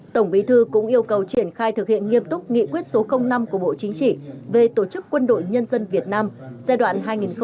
tổng bí thư cũng yêu cầu triển khai thực hiện nghiêm túc nghị quyết số năm của bộ chính trị về tổ chức quân đội nhân dân việt nam giai đoạn hai nghìn một mươi sáu hai nghìn hai mươi